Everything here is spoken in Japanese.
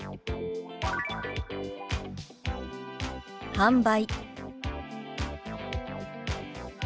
「販売」。